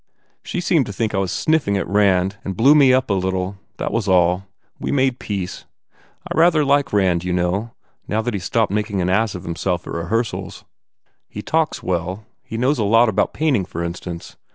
She seemed to think I was sniffing at Rand and blew me up a little. That was all. We made peace. I rather like Rand, you know, now that he s stopped making an ass of himself at rehearsals. Russell and I had lunch with him today. He talks well. He knows a lot about painting, for instance.